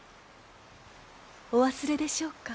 お忘れでしょうか？